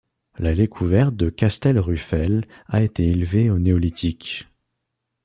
L'allée couverte de Castel-Ruffel a été élevée au Néolithique.